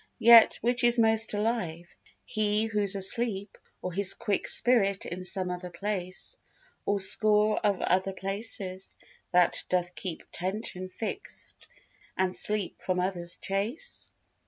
Yet which is most alive, he who's asleep Or his quick spirit in some other place, Or score of other places, that doth keep Attention fixed and sleep from others chase?